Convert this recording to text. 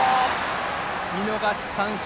見逃し三振！